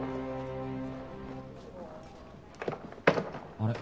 あれ？